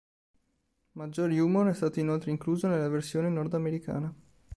Maggior humor è stato inoltre incluso nella versione nordamericana.